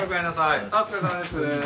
あっお疲れさまです。